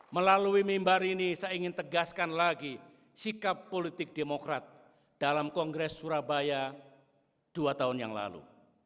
melalui mimbar ini saya ingin tegaskan lagi sikap politik demokrat dalam kongres surabaya dua tahun yang lalu